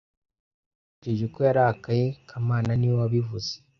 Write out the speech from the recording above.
Natekereje ko yarakaye kamana niwe wabivuze